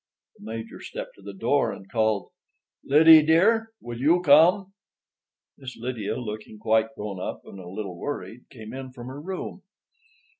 The Major stepped to the door and called: "Lydie, dear, will you come?" Miss Lydia, looking quite grown up and a little worried, came in from her room.